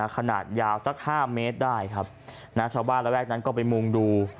ขนาดยาวสักห้าเมตรได้ครับนะชาวบ้านระแวกนั้นก็ไปมุ่งดู